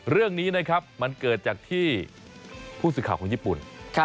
เรื่องนี้นะครับมันเกิดจากที่ผู้สื่อข่าวของญี่ปุ่น